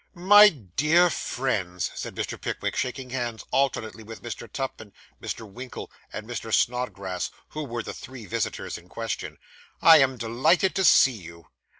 'My dear friends,' said Mr. Pickwick, shaking hands alternately with Mr. Tupman, Mr. Winkle, and Mr. Snodgrass, who were the three visitors in question, 'I am delighted to see you.